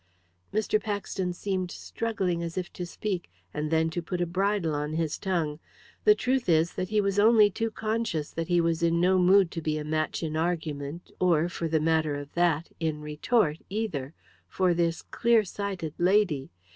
Mr. Paxton seemed struggling as if to speak, and then to put a bridle on his tongue. The truth is, that he was only too conscious that he was in no mood to be a match in argument or, for the matter of that, in retort either for this clear sighted lady.